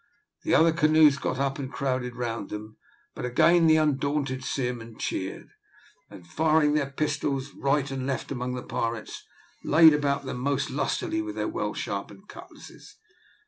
The other canoes got up and crowded round them, but again the undaunted seamen cheered, and firing their pistols right and left among the pirates, laid about them most lustily with their well sharpened cutlasses.